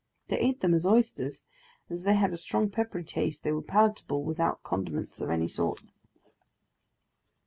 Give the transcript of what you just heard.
They ate them as oysters, and as they had a strong peppery taste, they were palatable without condiments of any sort.